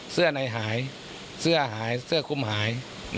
เสื้อในหายเสื้อหายเสื้อคุ้มหาย